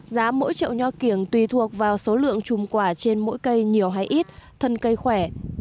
giá mỗi trậu nho kiểng tùy thuộc vào số lượng trùm quả trên mỗi cây nhiều hay ít thân cây khỏe